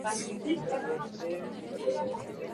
Se encuentran en África: Nigeria y Togo.